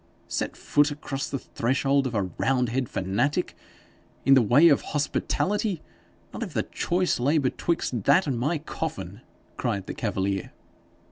'Set foot across the threshold of a roundhead fanatic! In the way of hospitality! Not if the choice lay betwixt that and my coffin!' cried the cavalier.